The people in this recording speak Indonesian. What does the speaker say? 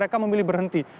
mereka memilih berhenti